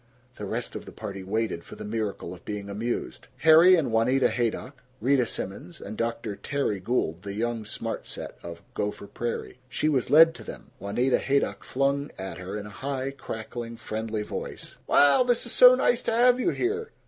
The rest of the party waited for the miracle of being amused. Harry and Juanita Haydock, Rita Simons and Dr. Terry Gould the young smart set of Gopher Prairie. She was led to them. Juanita Haydock flung at her in a high, cackling, friendly voice: "Well, this is SO nice to have you here.